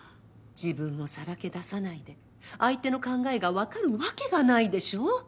自分をさらけ出さないで相手の考えが分かるわけがないでしょう。